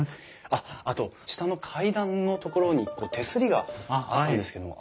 あっあと下の階段のところに手すりがあったんですけども。